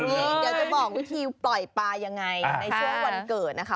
เดี๋ยวจะบอกวิธีปล่อยปลายังไงในช่วงวันเกิดนะคะ